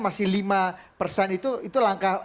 masih lima persen itu